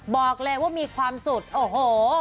บอกเลยว่ามีความสุขโอ้โห